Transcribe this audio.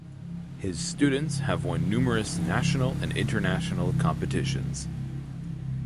His students have won numerous national and international competitions.